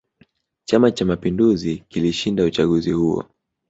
chama cha mapinduzi kilishinda uchaguzi huo